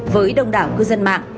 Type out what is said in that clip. với đông đảo cư dân mạng